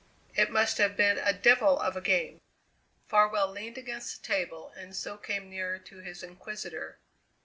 It must have been a devil of a game." Farwell leaned against the table and so came nearer to his inquisitor.